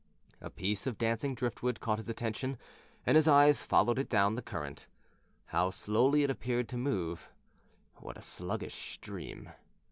A piece of dancing driftwood caught his attention and his eyes followed it down the current. How slowly it appeared to move! What a sluggish stream!